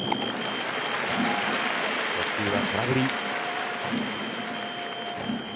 初球は空振り。